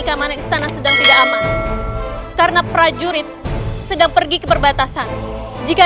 keamanan istana sedang tidak aman karena prajurit sedang pergi ke perbatasan jika